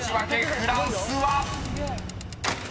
［フランスは⁉］